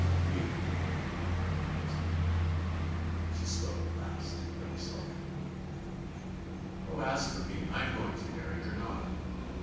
"You," I answered. She spoke at last, very slowly: "Oh, as for me, I am going to marry Gurnard."